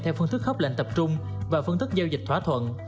theo phương thức khớp lệnh tập trung và phương thức giao dịch thỏa thuận